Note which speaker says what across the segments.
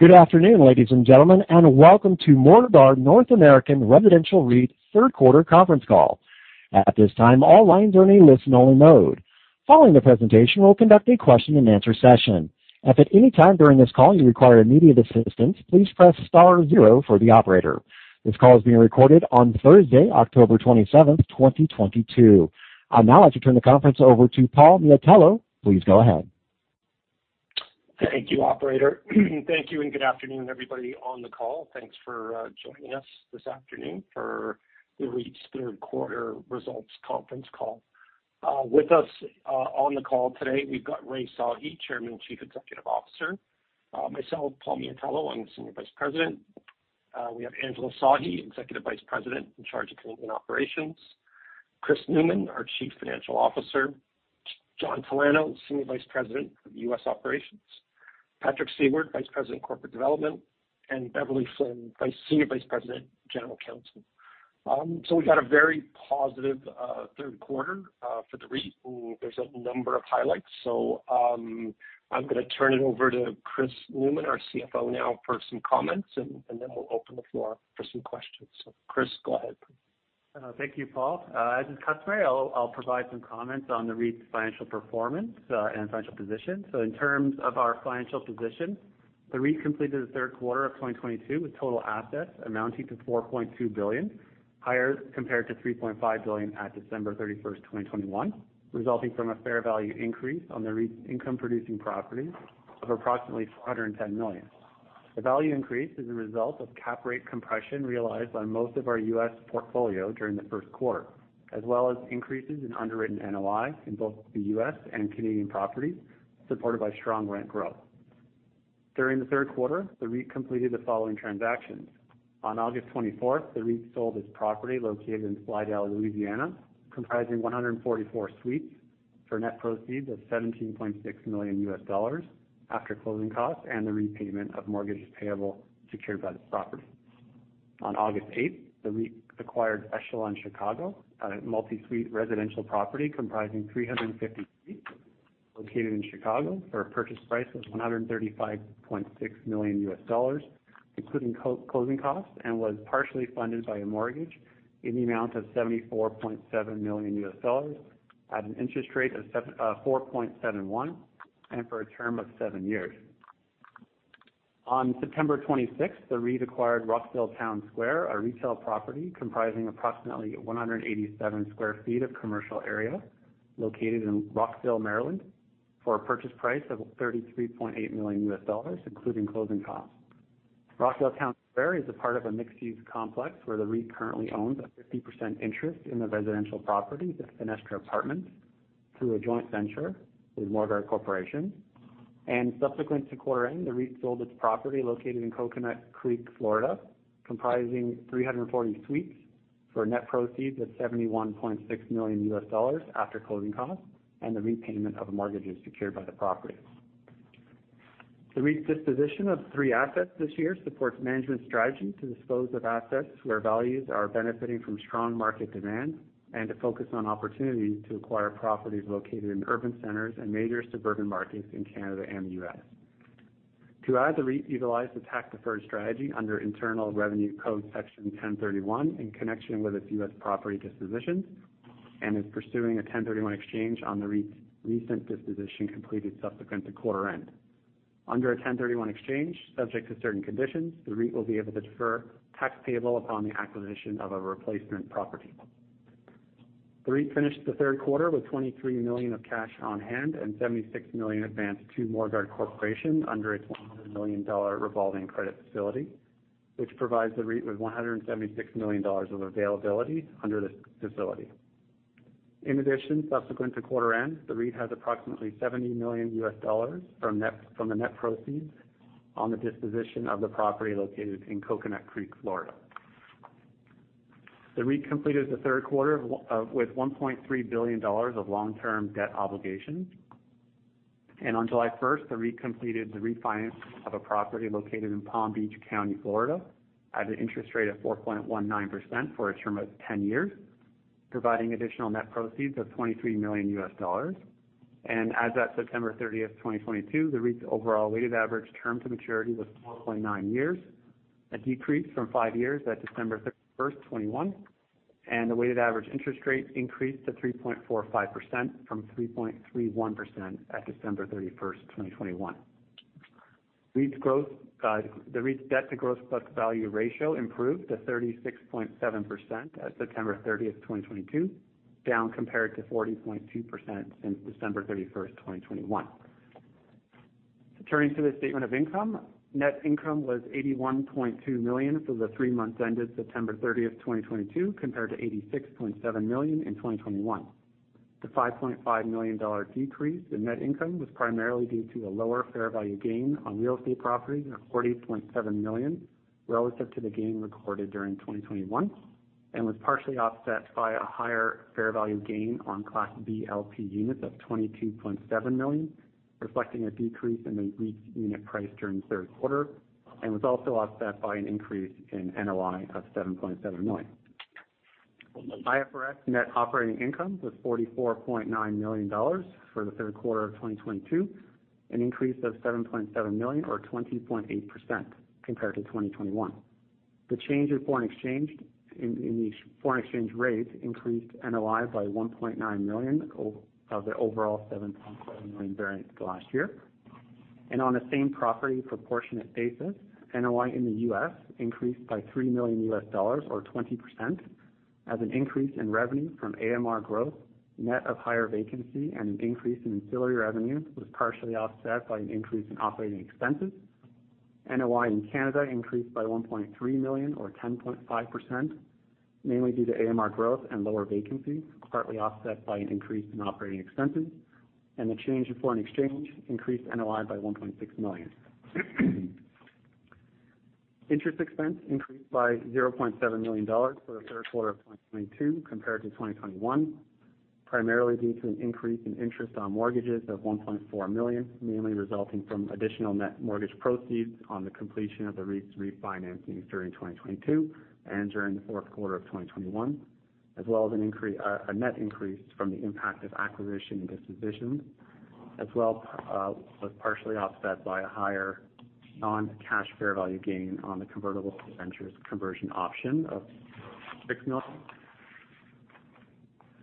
Speaker 1: Good afternoon, ladies and gentlemen, and welcome to Morguard North American Residential REIT Third Quarter Conference Call. At this time, all lines are in a listen-only mode. Following the presentation, we'll conduct a question-and-answer session. If at any time during this call you require immediate assistance, please press star zero for the operator. This call is being recorded on Thursday, October 27th, 2022. I'd now like to turn the conference over to Paul Miatello. Please go ahead.
Speaker 2: Thank you, operator. Thank you, and good afternoon, everybody on the call. Thanks for joining us this afternoon for the REIT's Third Quarter Results Conference Call. With us on the call today, we've got Rai Sahi, Chairman and Chief Executive Officer, myself, Paul Miatello, Senior Vice President. We have Angela Sahi, Executive Vice President in charge of Canadian operations, Chris Newman, our Chief Financial Officer, John Talano, Senior Vice President of US Operations, Patrick Seibert, Vice President of Corporate Development, and Beverley Flynn, Senior Vice President, General Counsel. We've had a very positive third quarter for the REIT. There's a number of highlights, so I'm gonna turn it over to Chris Newman, our CFO, now for some comments and then we'll open the floor for some questions. Chris, go ahead.
Speaker 3: Thank you, Paul. As is customary, I'll provide some comments on the REIT's financial performance and financial position. In terms of our financial position, the REIT completed the third quarter of 2022 with total assets amounting to 4.2 billion, higher compared to 3.5 billion at December 31st, 2021, resulting from a fair value increase on the REIT's income-producing properties of approximately 210 million. The value increase is a result of cap rate compression realized on most of our U.S. portfolio during the first quarter, as well as increases in underwritten NOI in both the U.S. and Canadian properties, supported by strong rent growth. During the third quarter, the REIT completed the following transactions. On August 24th, the REIT sold its property located in Slidell, Louisiana, comprising 144 suites for net proceeds of $17.6 million after closing costs and the repayment of mortgages payable secured by the property. On August 8th, the REIT acquired Echelon Chicago, a multi-suite residential property comprising 350 suites located in Chicago for a purchase price of $135.6 million, including closing costs, and was partially funded by a mortgage in the amount of $74.7 million at an interest rate of 4.71% for a term of 7 years. On September 26, the REIT acquired Rockville Town Square, a retail property comprising approximately 187,000 sq ft of commercial area located in Rockville, Maryland, for a purchase price of $33.8 million, including closing costs. Rockville Town Square is a part of a mixed-use complex where the REIT currently owns a 50% interest in the residential property, the Fenestra Apartments, through a joint venture with Morguard Corporation. Subsequent to quarter end, the REIT sold its property located in Coconut Creek, Florida, comprising 340 suites for net proceeds of $71.6 million after closing costs and the repayment of mortgages secured by the property. The REIT's disposition of three assets this year supports management's strategy to dispose of assets where values are benefiting from strong market demand and to focus on opportunities to acquire properties located in urban centers and major suburban markets in Canada and the U.S. To add, the REIT utilized the tax-deferred strategy under Internal Revenue Code Section 1031 in connection with its U.S. property dispositions and is pursuing a 1031 exchange on the REIT's recent disposition completed subsequent to quarter end. Under a 1031 exchange, subject to certain conditions, the REIT will be able to defer tax payable upon the acquisition of a replacement property. The REIT finished the third quarter with 23 million of cash on hand and 76 million advanced to Morguard Corporation under its 100 million dollar revolving credit facility, which provides the REIT with 176 million dollars of availability under this facility. In addition, subsequent to quarter end, the REIT has approximately $70 million from the net proceeds on the disposition of the property located in Coconut Creek, Florida. The REIT completed the third quarter with 1.3 billion dollars of long-term debt obligations. On July first, the REIT completed the refinance of a property located in Palm Beach County, Florida, at an interest rate of 4.19% for a term of 10 years, providing additional net proceeds of $23 million. As at September 30th, 2022, the REIT's overall weighted average term to maturity was 4.9 years, a decrease from five years at December 31st, 2021, and the weighted average interest rate increased to 3.45% from 3.31% at December 31, 2021. The REIT's debt-to-gross book value ratio improved to 36.7% at September 30th, 2022, down compared to 40.2% since December 31st, 2021. Turning to the statement of income. Net income was 81.2 million for the three months ended September 30th, 2022, compared to 86.7 million in 2021. The 5.5 million dollar decrease in net income was primarily due to a lower fair value gain on real estate properties of 40.7 million relative to the gain recorded during 2021 and was partially offset by a higher fair value gain on Class B LP Units of 22.7 million, reflecting a decrease in the REIT's unit price during the third quarter and was also offset by an increase in NOI of 7.7 million. IFRS net operating income was 44.9 million dollars for the third quarter of 2022, an increase of 7.7 million or 20.8% compared to 2021. The change in the foreign exchange rate increased NOI by 1.9 million of the overall 7.7 million variance last year. On the same property proportionate basis, NOI in the U.S. increased by $3 million or 20%, as an increase in revenue from AMR growth, net of higher vacancy and an increase in ancillary revenue was partially offset by an increase in operating expenses. NOI in Canada increased by 1.3 million or 10.5%, mainly due to AMR growth and lower vacancy, partly offset by an increase in operating expenses. The change in foreign exchange increased NOI by 1.6 million. Interest expense increased by 0.7 million dollars for the third quarter of 2022 compared to 2021, primarily due to an increase in interest on mortgages of 1.4 million, mainly resulting from additional net mortgage proceeds on the completion of the REIT's refinancing during 2022 and during the fourth quarter of 2021, as well as a net increase from the impact of acquisition and disposition, as well, was partially offset by a higher non-cash fair value gain on the convertible debentures conversion option of 6 million.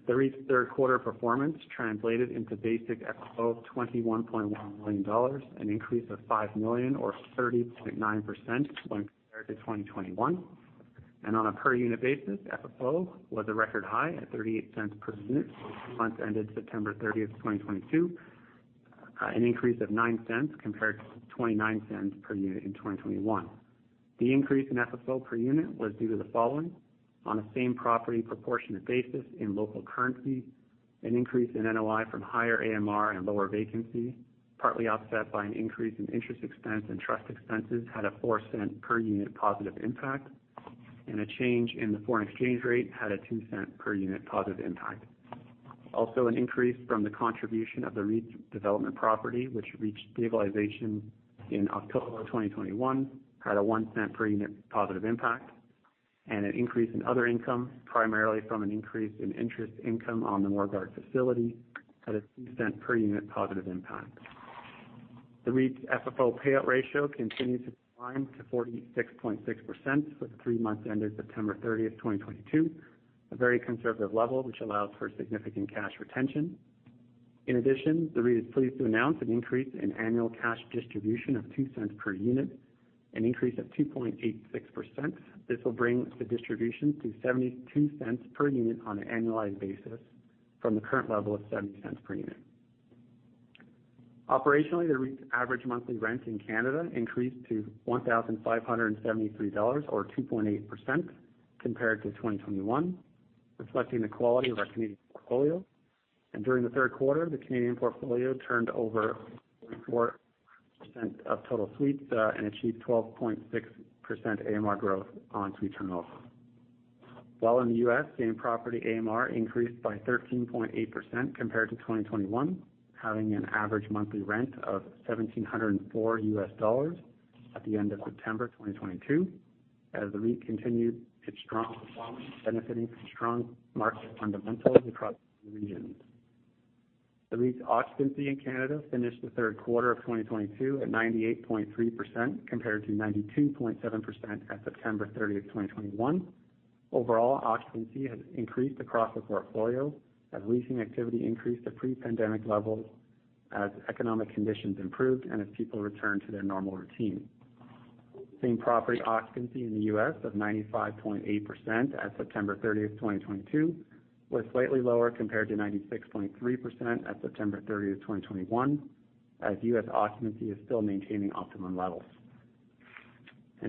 Speaker 3: The REIT's third quarter performance translated into basic FFO of 21.1 million dollars, an increase of 5 million or 30.9% when compared to 2021. On a per unit basis, FFO was a record high at 0.38 per unit for the months ended September 30th, 2022, an increase of 0.09 compared to 0.29 per unit in 2021. The increase in FFO per unit was due to the following. On a same property proportionate basis in local currency, an increase in NOI from higher AMR and lower vacancy, partly offset by an increase in interest expense and trust expenses, had a 0.04 per unit positive impact, and a change in the foreign exchange rate had a 0.02 per unit positive impact. Also, an increase from the contribution of the REIT's development property, which reached stabilization in October 2021, had a 0.01 per unit positive impact, and an increase in other income, primarily from an increase in interest income on the Morguard Facility, had a 0.02 per unit positive impact. The REIT's FFO payout ratio continued to decline to 46.6% for the three months ended September 30th, 2022, a very conservative level which allows for significant cash retention. In addition, the REIT is pleased to announce an increase in annual cash distribution of 0.02 per unit, an increase of 2.86%. This will bring the distribution to 0.72 per unit on an annualized basis from the current level of 0.70 per unit. Operationally, the REIT's average monthly rent in Canada increased to 1,573 dollars or 2.8% compared to 2021, reflecting the quality of our Canadian portfolio. During the third quarter, the Canadian portfolio turned over 44% of total suites, and achieved 12.6% AMR growth on suite turnover. While in the U.S., same property AMR increased by 13.8% compared to 2021, having an average monthly rent of $1,704 at the end of September 2022, as the REIT continued its strong performance, benefiting from strong market fundamentals across all regions. The REIT's occupancy in Canada finished the third quarter of 2022 at 98.3% compared to 92.7% at September 30th, 2021. Overall, occupancy has increased across the portfolio as leasing activity increased to pre-pandemic levels as economic conditions improved and as people returned to their normal routine. Same property occupancy in the U.S. of 95.8% at September 30th, 2022 was slightly lower compared to 96.3% at September 30th, 2021, as U.S. occupancy is still maintaining optimum levels.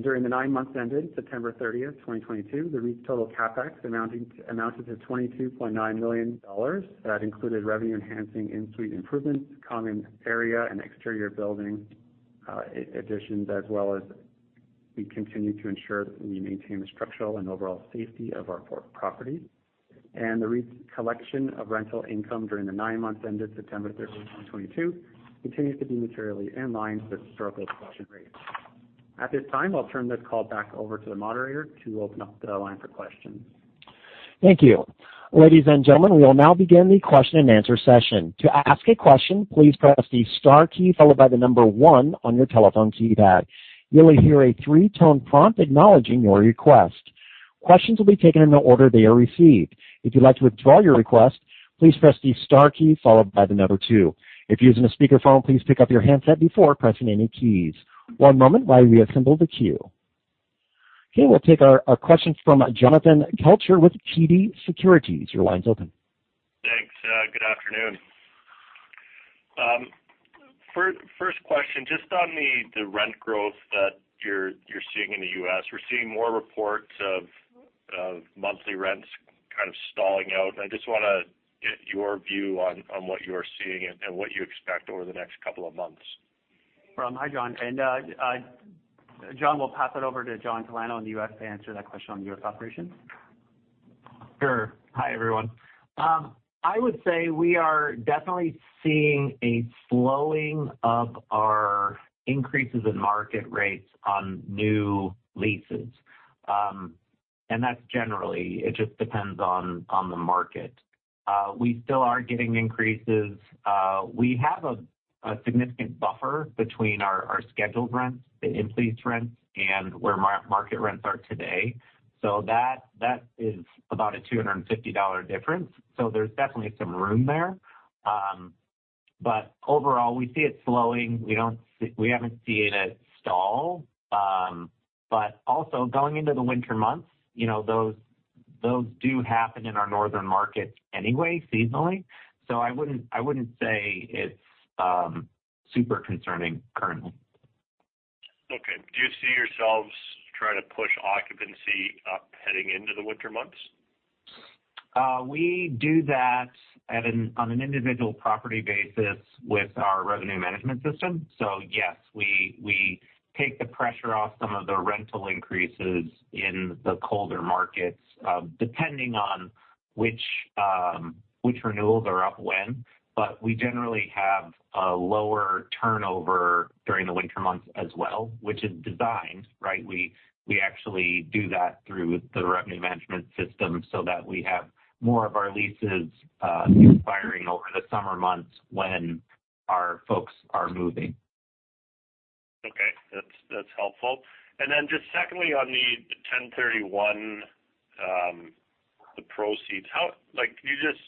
Speaker 3: During the nine months ended September 30th, 2022, the REIT's total CapEx amounted to 22.9 million dollars. That included revenue enhancing in-suite improvements, common area and exterior building additions, as well as we continue to ensure that we maintain the structural and overall safety of our properties. The REIT's collection of rental income during the nine months ended September 30, 2022 continues to be materially in line with historical collection rates. At this time, I'll turn this call back over to the moderator to open up the line for questions.
Speaker 1: Thank you. Ladies and gentlemen, we will now begin the question-and-answer session. To ask a question, please press the star key followed by the number one on your telephone keypad. You will hear a three-tone prompt acknowledging your request. Questions will be taken in the order they are received. If you'd like to withdraw your request, please press the star key followed by the number two. If you're using a speakerphone, please pick up your handset before pressing any keys. One moment while we assemble the queue. Okay, we'll take our questions from Jonathan Kelcher with TD Cowen. Your line's open.
Speaker 4: Thanks. Good afternoon. First question, just on the rent growth that you're seeing in the U.S., we're seeing more reports of monthly rents kind of stalling out, and I just wanna get your view on what you are seeing and what you expect over the next couple of months?
Speaker 2: Hi, John. John, we'll pass it over to John Talano in the U.S. to answer that question on US operations.
Speaker 4: Sure.
Speaker 5: Hi, everyone. I would say we are definitely seeing a slowing of our increases in market rates on new leases. That's generally, it just depends on the market. We still are getting increases. We have a significant buffer between our scheduled rents, the in-place rents, and where market rents are today. That is about a 250 dollar difference. There's definitely some room there. Overall, we see it slowing. We haven't seen it stall. Also going into the winter months, you know, those do happen in our northern markets anyway, seasonally. I wouldn't say it's super concerning currently.
Speaker 4: Okay. Do you see yourselves trying to push occupancy up heading into the winter months?
Speaker 5: We do that on an individual property basis with our revenue management system. Yes, we take the pressure off some of the rental increases in the colder markets, depending on which renewals are up when. We generally have a lower turnover during the winter months as well, which is designed, right? We actually do that through the revenue management system so that we have more of our leases expiring over the summer months when our folks are moving.
Speaker 4: Okay. That's helpful. Then just secondly, on the 1031, the proceeds. Like, can you just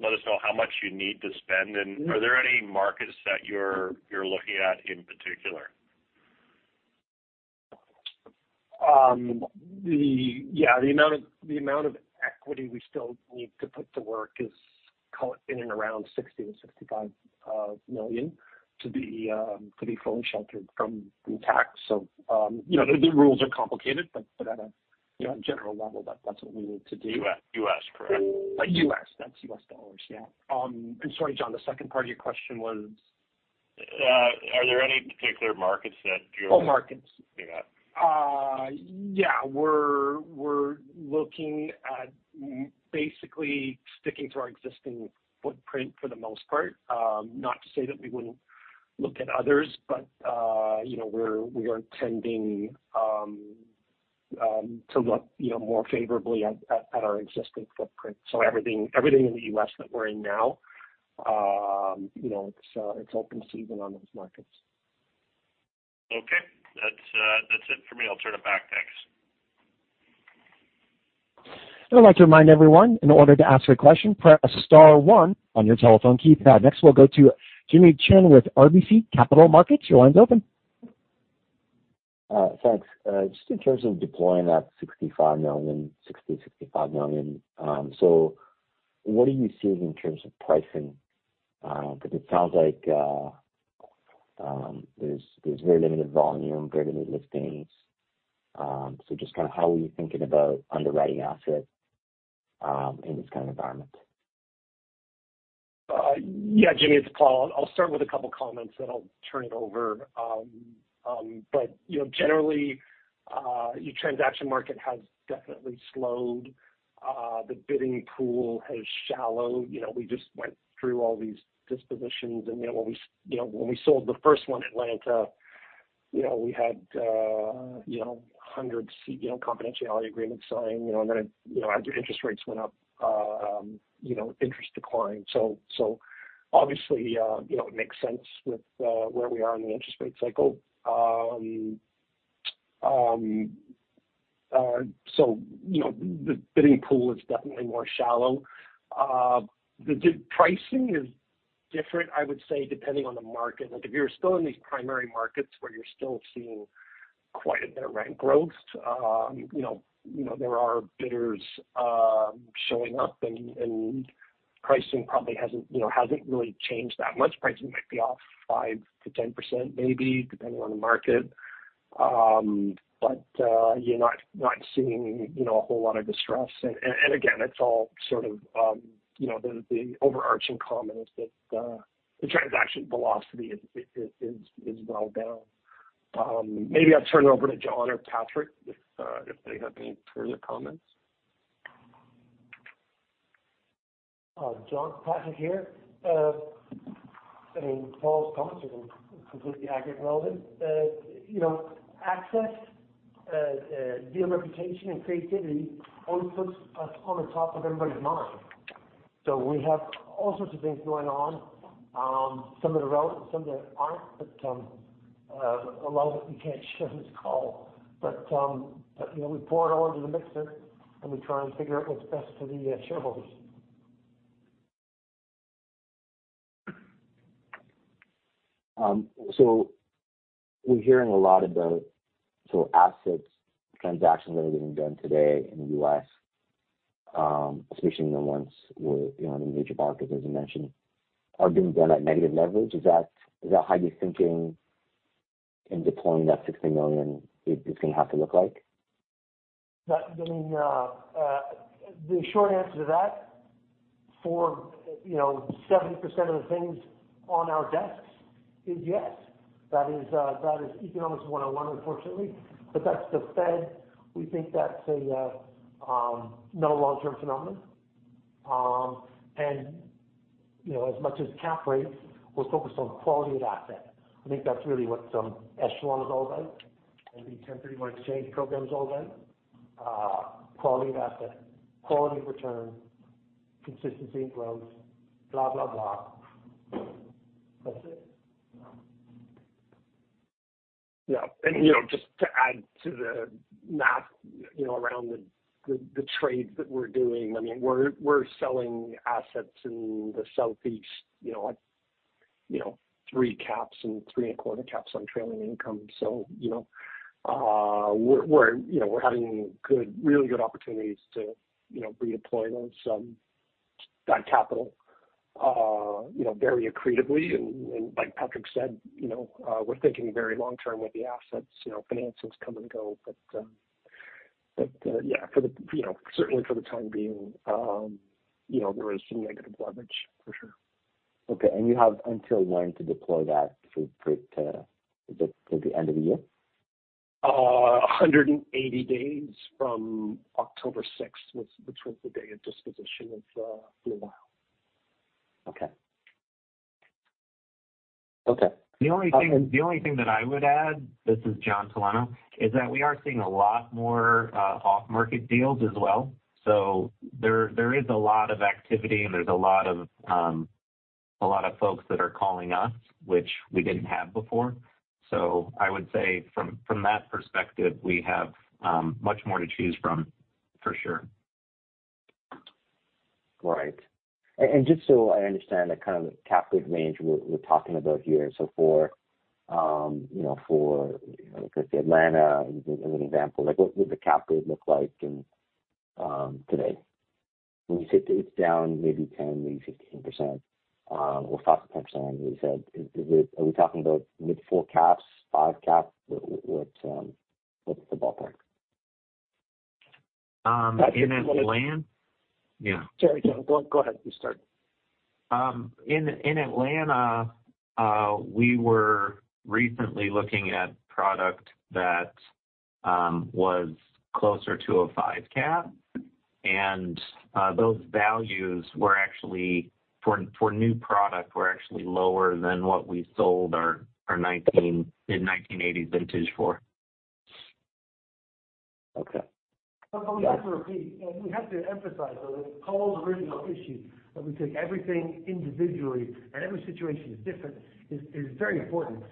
Speaker 4: let us know how much you need to spend? Are there any markets that you're looking at in particular?
Speaker 2: The amount of equity we still need to put to work is, call it, in and around 60 million-65 million to be fully sheltered from tax. You know, the rules are complicated, but at a general level, that's what we need to do.
Speaker 4: U.S., correct?
Speaker 2: U.S. That's U.S. dollars. Yeah. Sorry, John, the second part of your question was?
Speaker 4: Are there any particular markets that you're?
Speaker 2: All markets.
Speaker 4: Looking at?
Speaker 2: Yeah, we're looking at basically sticking to our existing footprint for the most part. Not to say that we wouldn't look at others, but you know, we are tending to look you know, more favorably at our existing footprint. Everything in the U.S. that we're in now, you know, it's open season on those markets.
Speaker 4: Okay. That's it for me. I'll turn it back. Thanks.
Speaker 1: I'd like to remind everyone, in order to ask a question, press star one on your telephone keypad. Next, we'll go to Jimmy Shan with RBC Capital Markets. Your line's open.
Speaker 6: Thanks. Just in terms of deploying that 65 million, 60 million-65 million, what are you seeing in terms of pricing? Because it sounds like there's very limited volume, very limited listings. Just kinda how are you thinking about underwriting assets in this kind of environment?
Speaker 2: Yeah, Jimmy Shan, it's Paul Miatello. I'll start with a couple of comments, then I'll turn it over. You know, generally, transaction market has definitely slowed. The bidding pool has shallowed. You know, we just went through all these dispositions and, you know, when we sold the first one, Atlanta, you know, we had hundreds, you know, confidentiality agreements signed, you know, and then, you know, as interest rates went up, you know, interest declined. Obviously, you know, it makes sense with where we are in the interest rate cycle. You know, the bidding pool is definitely more shallow. The pricing is different, I would say, depending on the market. Like, if you're still in these primary markets where you're still seeing quite a bit of rent growth, you know, there are bidders showing up and pricing probably hasn't, you know, really changed that much. Pricing might be off 5%-10% maybe, depending on the market. You're not seeing, you know, a whole lot of distress. Again, it's all sort of, you know, the overarching comment is that the transaction velocity is well down. Maybe I'll turn it over to John or Patrick if they have any further comments.
Speaker 7: John, Patrick here. I mean, Paul's comments are completely accurate. Well, you know, access to deal reputation and creativity only puts us on the top of everybody's mind. We have all sorts of things going on, some that are relevant, some that aren't. A lot of it we can't share on this call. You know, we pour it all into the mixer, and we try and figure out what's best for the shareholders.
Speaker 6: We're hearing a lot about sort of assets, transactions that are getting done today in the U.S., especially in the ones with, you know, in major markets, as you mentioned, are being done at negative leverage. Is that how you're thinking in deploying that 60 million is gonna have to look like?
Speaker 7: I mean, the short answer to that. You know, 70% of the things on our desks is yes. That is economics 101, unfortunately, but that's the Fed. We think that's a no long-term phenomenon. You know, as much as cap rates, we're focused on quality of asset. I think that's really what Echelon is all about and the 1031 exchange program is all about, quality of asset, quality of return, consistency in growth, blah, blah. That's it.
Speaker 2: Yeah. You know, just to add to the math, you know, around the trades that we're doing. I mean, we're selling assets in the southeast, you know, at 3 caps and 3.25 caps on trailing income. You know, we're having really good opportunities to redeploy that capital very accretively. Like Patrick said, you know, we're thinking very long term with the assets. You know, finances come and go. Yeah, certainly for the time being, there is some negative leverage for sure.
Speaker 6: Okay. You have until when to deploy that for to the end of the year?
Speaker 2: 180 days from October 6th, which was the day of disposition of Willow.
Speaker 6: Okay. Okay.
Speaker 5: The only thing that I would add, this is John Talano, is that we are seeing a lot more off-market deals as well. There is a lot of activity, and there's a lot of folks that are calling us, which we didn't have before. I would say from that perspective, we have much more to choose from for sure.
Speaker 6: Right. Just so I understand the kind of cap rate range we're talking about here. For you know, for you know, like the Atlanta as an example, like what would the cap rate look like in today? When you said it's down maybe 10%, maybe 15%, or 5%-10% you said. Are we talking about mid-4 caps, 5 caps? What what's the ballpark?
Speaker 5: In Atlanta.
Speaker 7: Patrick, you want to.
Speaker 5: Yeah.
Speaker 7: Sorry, John. Go ahead. You start.
Speaker 5: In Atlanta, we were recently looking at product that was closer to a 5 cap, and those values were actually for new product, were actually lower than what we sold our mid-1980 vintage for.
Speaker 6: Okay.
Speaker 7: We have to repeat, we have to emphasize, though, that Paul's original issue that we take everything individually and every situation is different is very important.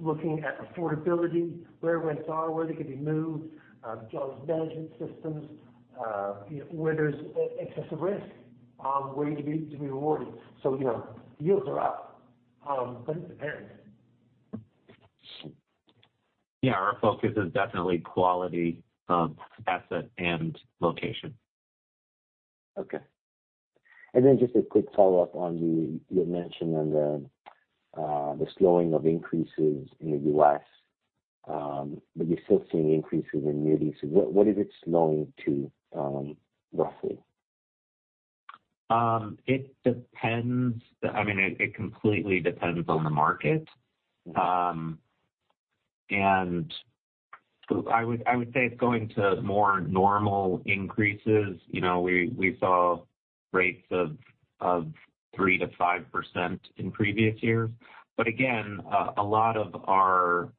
Speaker 7: Looking at affordability, where rents are, where they can be moved, revenue management systems, you know, where there's excessive risk, where you need to be rewarded. You know, yields are up, but it depends.
Speaker 5: Yeah, our focus is definitely quality of asset and location.
Speaker 6: Okay. Then just a quick follow-up on the, you mentioned on the slowing of increases in the US. You're still seeing increases in new leases. What is it slowing to, roughly?
Speaker 5: It depends. I mean, it completely depends on the market. I would say it's going to more normal increases. We saw rates of 3%-5% in previous years. Again, a lot of our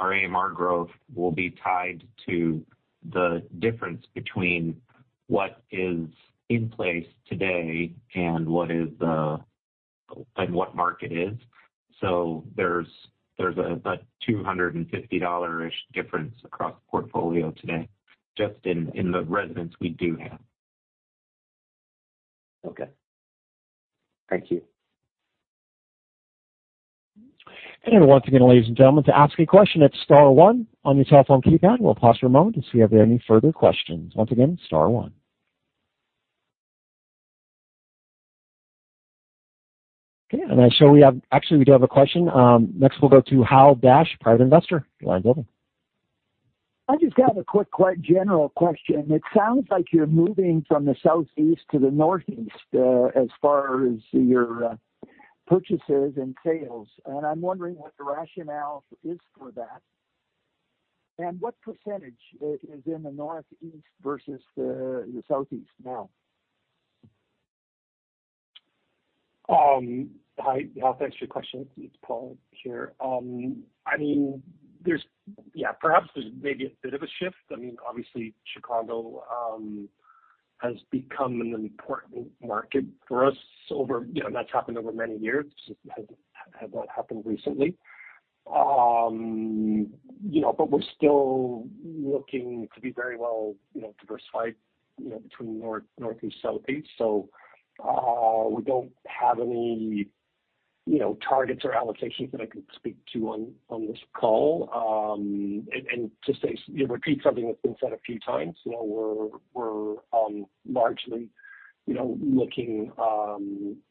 Speaker 5: AMR growth will be tied to the difference between what is in place today and what market is. There's a $250-ish difference across the portfolio today just in the residents we do have.
Speaker 6: Okay. Thank you.
Speaker 1: Once again, ladies and gentlemen, to ask a question, it's star one on your telephone keypad. We'll pause for a moment to see if there are any further questions. Once again, star one. Okay. Actually, we do have a question. Next, we'll go to Hal Dash, Private Investor. Go ahead, Hal.
Speaker 8: I just have a quick, quite general question. It sounds like you're moving from the southeast to the northeast, as far as your purchases and sales, and I'm wondering what the rationale is for that, and what percentage is in the northeast versus the southeast now?
Speaker 2: Hi, Hal Dash. Thanks for your question. It's Paul Miatello here. I mean, yeah, perhaps there's maybe a bit of a shift. I mean, obviously Chicago has become an important market for us over, you know, that's happened over many years. It has not happened recently. You know, but we're still looking to be very well, you know, diversified, you know, between north, northeast, southeast. We don't have any, you know, targets or allocations that I can speak to on this call. To say, you know, repeat something that's been said a few times, you know, we're largely, you know, looking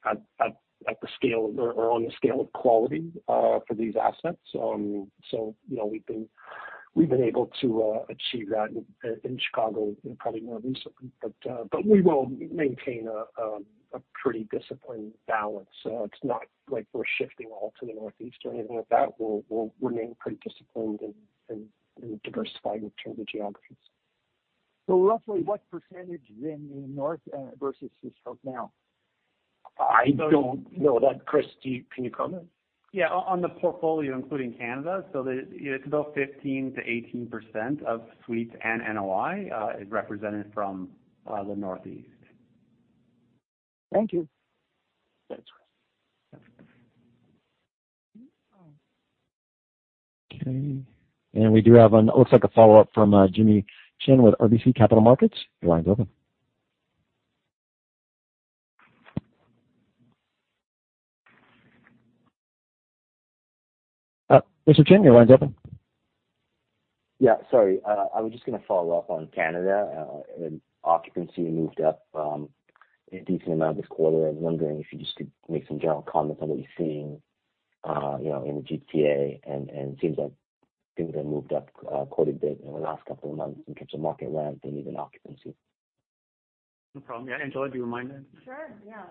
Speaker 2: at the scale or on the scale of quality for these assets. So, you know, we've been able to achieve that in Chicago probably more recently. We will maintain a pretty disciplined balance. It's not like we're shifting all to the Northeast or anything like that. We're remaining pretty disciplined and diversifying in terms of geographies.
Speaker 8: Roughly what percentage is in the north, versus the south now?
Speaker 2: I don't know that. Chris, can you comment?
Speaker 3: Yeah. On the portfolio, including Canada, it's about 15%-18% of suites and NOI is represented from the Northeast.
Speaker 8: Thank you.
Speaker 2: Thanks.
Speaker 1: Okay. We do have, looks like, a follow-up from Jimmy Shan with RBC Capital Markets. Your line's open. Mr. Shan, your line's open.
Speaker 6: Yeah, sorry. I was just gonna follow up on Canada. Occupancy moved up a decent amount this quarter. I'm wondering if you just could make some general comments on what you're seeing, you know, in the GTA. It seems like things have moved up quite a bit in the last couple of months in terms of market rent and even occupancy.
Speaker 3: No problem. Yeah, Angela, do you mind then?
Speaker 9: Sure, yeah.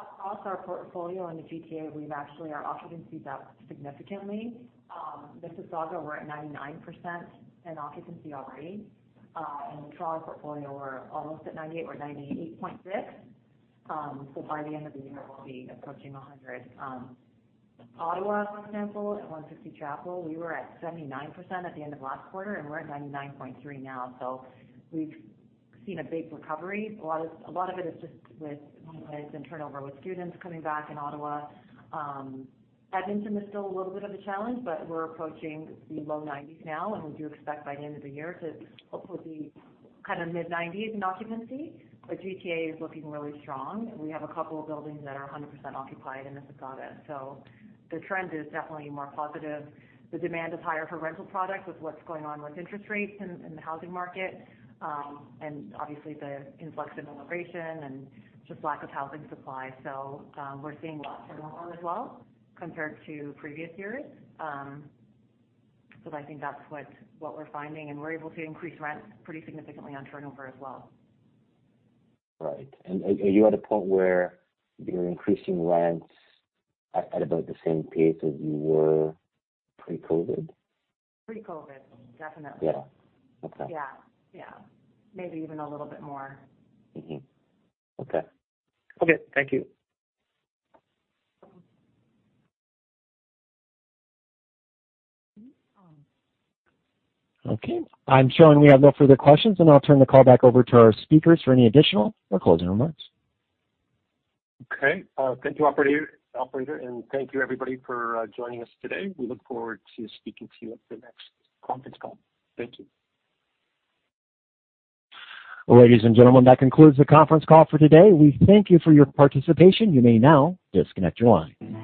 Speaker 9: Across our portfolio in the GTA, we've actually, our occupancy's up significantly. Mississauga, we're at 99% in occupancy already. In the Toronto portfolio, we're almost at 98%. We're at 98.6% By the end of the year, we'll be approaching 100%. Ottawa, for example, at 160 Chapel, we were at 79% at the end of last quarter, and we're at 99.3% now. We've seen a big recovery. A lot of it is just with whether it's been turnover with students coming back in Ottawa. Edmonton is still a little bit of a challenge, but we're approaching the low 90s now, and we do expect by the end of the year to hopefully be kind of mid-90s in occupancy. GTA is looking really strong. We have a couple of buildings that are 100% occupied in Mississauga. The trend is definitely more positive. The demand is higher for rental product with what's going on with interest rates in the housing market, and obviously the influx of immigration and just lack of housing supply. We're seeing lots of turnover as well compared to previous years. I think that's what we're finding, and we're able to increase rents pretty significantly on turnover as well.
Speaker 6: Right. Are you at a point where you're increasing rents at about the same pace as you were pre-COVID?
Speaker 9: Pre-COVID, definitely.
Speaker 6: Yeah. Okay.
Speaker 9: Yeah. Yeah. Maybe even a little bit more.
Speaker 6: Mm-hmm. Okay. Thank you.
Speaker 1: Okay. I'm showing we have no further questions, and I'll turn the call back over to our speakers for any additional or closing remarks.
Speaker 2: Okay. Thank you, operator, and thank you everybody for joining us today. We look forward to speaking to you at the next conference call. Thank you.
Speaker 1: Ladies and gentlemen, that concludes the conference call for today. We thank you for your participation. You may now disconnect your line.